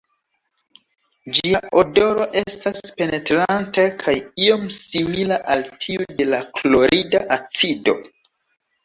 Ĝia odoro estas penetranta kaj iom simila al tiu de la klorida acido.